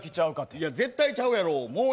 いや、絶対ちゃうやろう。